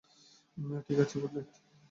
ঠিক আছে, good night.